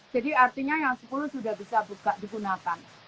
jadi artinya yang sepuluh sudah bisa buka digunakan